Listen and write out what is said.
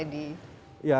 kapan pak edi